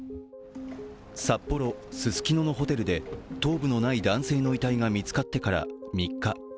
札幌・ススキノのホテルで頭部のない男性の遺体が見つかってから３日。